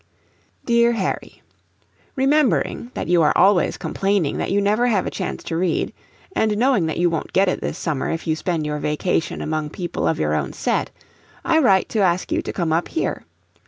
"DEAR HARRY: Remembering that you are always complaining that you never have a chance to read, and knowing that you won't get it this summer, if you spend your vacation among people of your own set, I write to ask you to come up here.